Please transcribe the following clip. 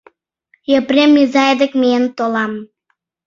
— Епрем изай дек миен толам.